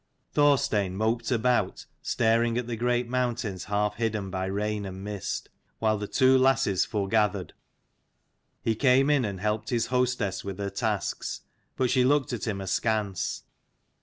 Thorstein moped about, staring at the great mountains half hidden by rain and mist, while the two lasses foregathered. He came in and helped his hostess with her tasks, but she looked at him askance.